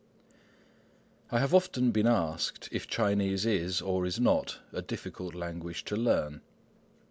I have often been asked if Chinese is, or is not, a difficult language to learn.